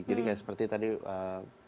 jadi seperti tadi bapak